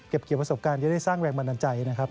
เกี่ยวประสบการณ์จะได้สร้างแรงบันดาลใจนะครับ